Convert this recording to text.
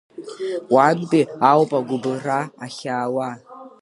Уантәи ауп агәыблра ахьаауа.